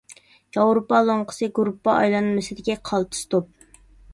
ياۋروپا لوڭقىسى گۇرۇپپا ئايلانمىسىدىكى قالتىس توپ.